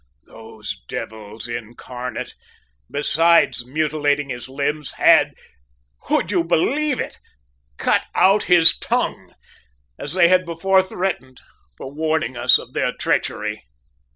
"Those devils incarnate, besides mutilating his limbs, had, would you believe it, cut out his tongue as they had before threatened, for warning us of their treachery!"